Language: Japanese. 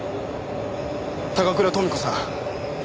高倉豊美子さん。